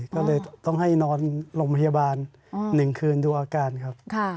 ก็เลยต้องให้นอนโรงพยาบาล๑คืนดูอาการครับ